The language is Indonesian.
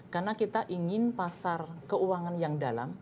karena kita ingin pasar keuangan yang dalam